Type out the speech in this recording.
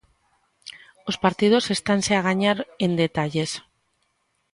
Os partidos estanse a gañar en detalles.